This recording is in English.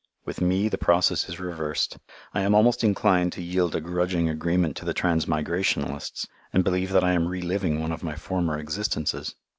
With me the process is reversed. I am almost inclined to yield a grudging agreement to the transmigrationalists, and believe that I am re living one of my former existences.